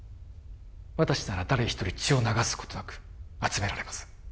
私なら誰一人血を流すことなく集められます